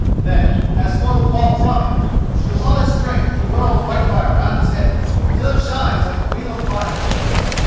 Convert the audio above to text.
Then, as folk fall from him, with all his strength he whirls Whitefire round his head till it shines like a wheel of fire.